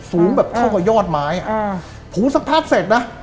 สูงแบบเท่ายอดไม้อ่ะอืมผูนสักพักเสร็จเนอะ